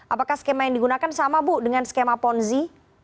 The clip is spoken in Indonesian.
apakah skema yang digunakan sama bu dengan skema ponzi